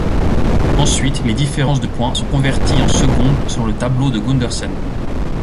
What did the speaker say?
Ensuite, les différences de points sont converties en secondes selon le tableau de Gundersen.